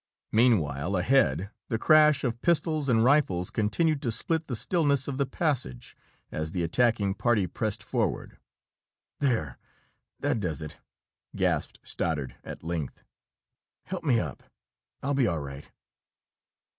Meanwhile, ahead, the crash of pistols and rifles continued to split the stillness of the passage, as the attacking party pressed forward. "There that does it!" gasped Stoddard, at length. "Help me up. I'll be all right."